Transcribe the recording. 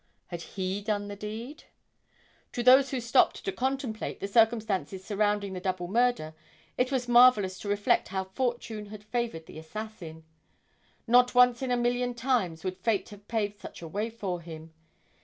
Had he done the deed? To those who stopped to contemplate the circumstances surrounding the double murder, it was marvelous to reflect how fortune had favored the assassin. Not once in a million times would fate have paved such a way for him.